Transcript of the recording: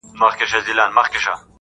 ابن مريمه زما له سيورې مه ځه